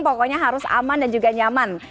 pokoknya harus aman dan juga nyaman